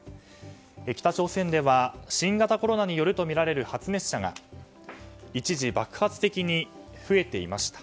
北朝鮮では新型コロナによるとみられる発熱者が一時爆発的に増えていました。